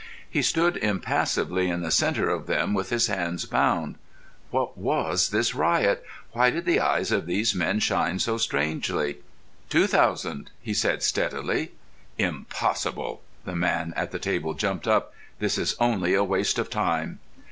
He stood impassively in the centre of them with his hands bound. What was this riot? Why did the eyes of these men shine so strangely? "Two thousand," he said steadily. "Impossible!" The man at the table jumped up. "This is only a waste of time."